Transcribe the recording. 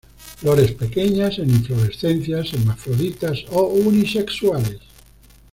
Flores pequeñas en inflorescencias, hermafroditas o unisexuales.